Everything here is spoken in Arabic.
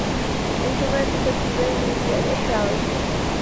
أنتما تسبّبان لي الإحراج.